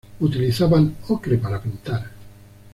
Utilizaban ocre para pintar.